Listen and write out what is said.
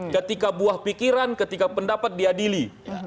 ketika buah pikiran ketika pendapat diadili